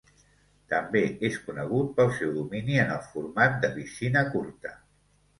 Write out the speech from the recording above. També és conegut pel seu domini en el format de piscina curta.